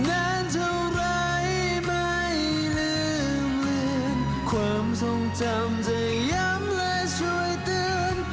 นานเท่าไรไม่ลืมเหมือนความทรงจำจะย้ำและช่วยเตือน